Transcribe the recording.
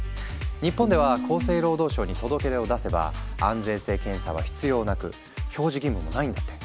日本では厚生労働省に届け出を出せば安全性検査は必要なく表示義務もないんだって。